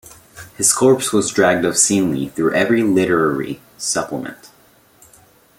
His corpse was dragged obscenely through every literary supplement.